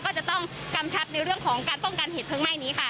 ก็จะต้องกำชับในเรื่องของการป้องกันเหตุเพลิงไหม้นี้ค่ะ